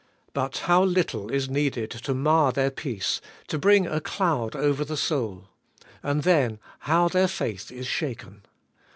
But how little is needed to mar their peace, to bring a cloud over the soul! And then, how their faith is shaken